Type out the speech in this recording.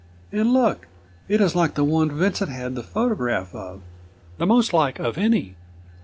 And look! It is like the one Vincent had the photograph of; the most like of any."